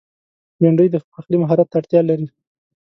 بېنډۍ د پخلي مهارت ته اړتیا لري